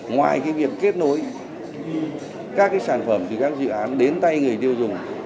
ngoài cái việc kết nối các cái sản phẩm từ các dự án đến tay người tiêu dùng